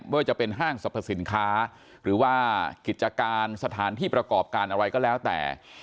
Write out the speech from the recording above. ว่าจะเป็นห้างสรรพสินค้าหรือว่ากิจการสถานที่ประกอบการอะไรก็แล้วแต่